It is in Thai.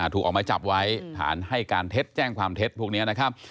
ถูกออกไม้จับไว้ฐานให้การเท็จแจ้งความเท็จพวกนี้นะครับ